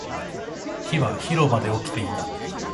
火は広場で起きていた